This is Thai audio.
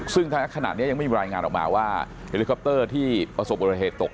ซึ่งถ้าขนาดเนี้ยยังไม่มีบรรยายงานออกมาว่าเฮลีคอปเตอร์ที่ประสบบริเทศตก